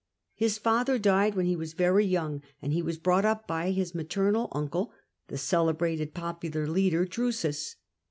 His father died when he was very young, and he was brought up by his maternal uncle, the celebrated popular leader Drusus.